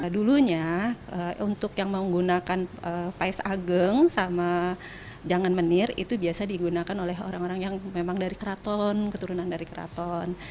dulunya untuk yang menggunakan pais ageng sama jangan menir itu biasa digunakan oleh orang orang yang memang dari keraton keturunan dari keraton